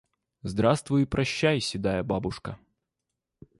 Здравствуй и прощай, седая бабушка!